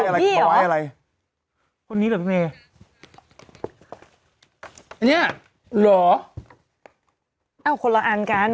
บอกพี่หรอบอกไว้อะไรคนนี้หรอพี่เมเนี้ยหรอเอ้าคนละอันกัน